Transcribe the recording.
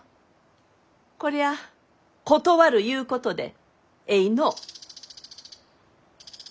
こりゃあ断るゆうことでえいのう？